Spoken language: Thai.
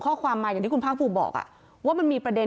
ข้อความมาอย่างที่คุณภาคภูมิบอกว่ามันมีประเด็น